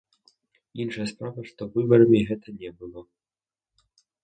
Іншая справа, што выбарамі гэта не было.